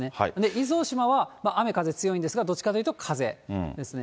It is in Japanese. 伊豆大島は雨、風強いんですが、どっちかというと風ですね。